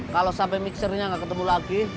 kalo sampe mixernya gak ketemu lagi